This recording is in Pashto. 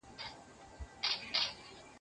يوه ورځ نوبت په خپله د سلطان سو